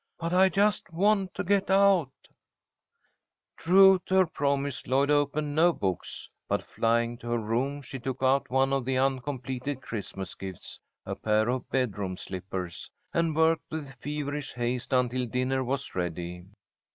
"But I just want to get out!" True to her promise, Lloyd opened no books, but, flying to her room, she took out one of the uncompleted Christmas gifts, a pair of bedroom slippers, and worked with feverish haste until dinner was ready.